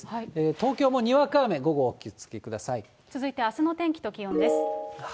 東京もにわか雨、続いてあすの天気と気温です。